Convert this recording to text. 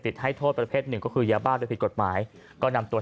ให้โทษประเภทหนึ่งก็คือยาบ้าโดยผิดกฎหมายก็นำตัว